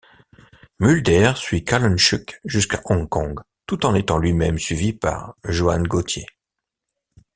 Mulder suit Kallenchuk jusqu'à Hong Kong tout en étant lui-même suivi par Joan Gauthier.